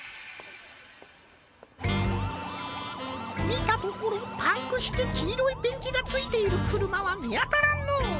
みたところパンクしてきいろいペンキがついているくるまはみあたらんのう。